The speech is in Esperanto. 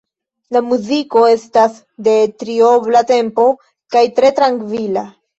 La muziko estas de triobla tempo kaj tre trankvila.